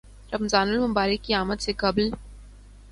رمضان المبارک کی آمد سے قبل